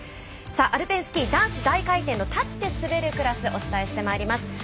アルペンスキー男子大回転の立って滑るクラスでお伝えしてまいります。